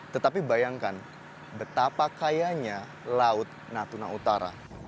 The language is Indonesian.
tetapi bayangkan betapa kayanya laut natuna utara